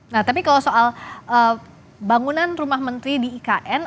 nah tapi kalau soal bangunan rumah menteri di ikn